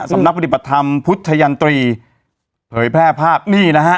สำนักปฏิบัติธรรมพุทธยันตรีเผยแพร่ภาพนี่นะฮะ